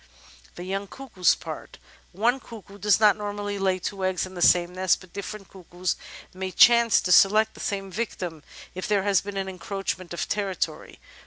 The Young Cuckoo's Part One cuckoo does not normally lay two eggs in the same nest, but different cuckoos may chance to select the same victim if there has been an encroachment of territory.